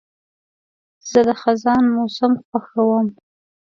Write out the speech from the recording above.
زه د خزان موسم خوښوم.